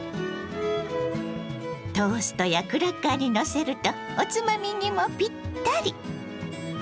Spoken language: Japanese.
トーストやクラッカーにのせるとおつまみにもピッタリ！